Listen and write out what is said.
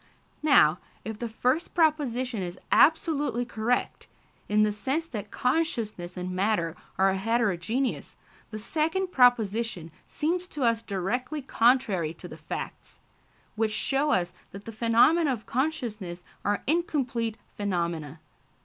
Now, if the first proposition is absolutely correct, in the sense that consciousness and matter are heterogeneous, the second proposition seems to us directly contrary to the facts, which show us that the phenomena of consciousness are incomplete phenomena.